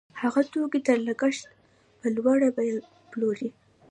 هغه توکي تر لګښت په لوړه بیه پلوري